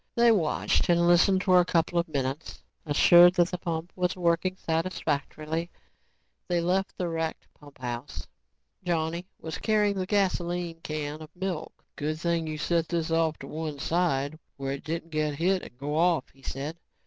They watched and listened for a couple of minutes. Assured that the pump was working satisfactorily, they left the wrecked pumphouse. Johnny was carrying the gasoline can of milk. "Good thing you set this off to one side where it didn't get hit and go off," he said.